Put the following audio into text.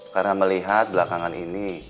karena melihat di belakangan ini